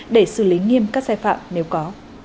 để xử lý nghiêm các sai phạm nếu có